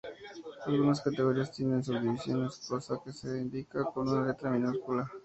Algunas categorías tienen subdivisiones, cosa que se indica con una letra minúscula.